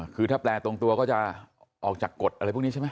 คือถ้าแปลตรงตัวก็จะออกจากกฎอะไรพวกนี้ใช่ไหม